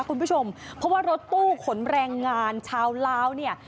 คุณผู้ชมเพราะว่ารถตู้ขนแรงงานชาวลาวเนี่ย